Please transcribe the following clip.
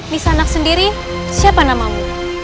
nisanak sendiri siapa namamu